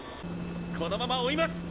このまま追います！